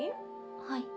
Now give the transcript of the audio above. はい。